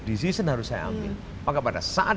decision harus saya ambil maka pada saat